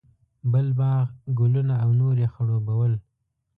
بل باغ، ګلونه او نور یې خړوبول.